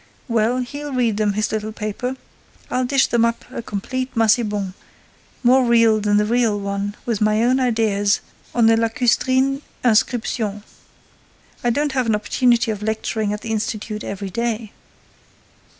Well, he'll read them his little paper. I'll dish them up a complete Massiban, more real than the real one, with my own ideas, on the lacustrine inscriptions. I don't have an opportunity of lecturing at the Institute ever day!